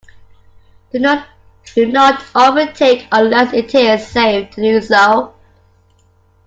Do not overtake unless it is safe to do so.